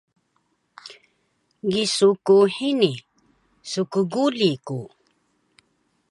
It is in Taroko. Gisu ku hini, skguli ku!